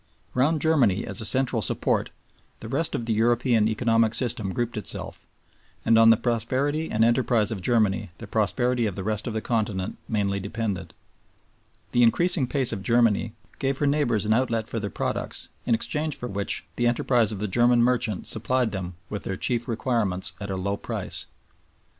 Round Germany as a central support the rest of the European economic system grouped itself, and on the prosperity and enterprise of Germany the prosperity of the rest of the Continent mainly depended. The increasing pace of Germany gave her neighbors an outlet for their products, in exchange for which the enterprise of the German merchant supplied them with their chief requirements at a low price.